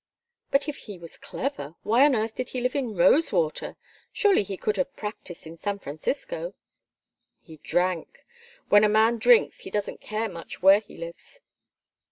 "But if he was clever, why on earth did he live in Rosewater? Surely he could have practised in San Francisco?" "He drank. When a man drinks he doesn't care much where he lives.